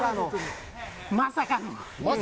まさかの。